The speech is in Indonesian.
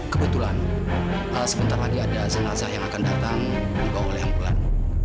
kebetulan sebentar lagi ada jenazah yang akan datang dibawa oleh ambulan